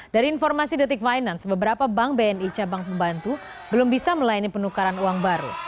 dari informasi detik finance beberapa bank bni cabang pembantu belum bisa melayani penukaran uang baru